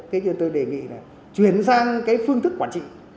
thế nhưng tôi đề nghị là chuyển sang cái phương thức quản trị